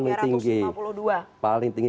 ketakutan yang paling tinggi